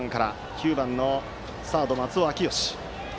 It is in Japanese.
９番サード、松尾明芳。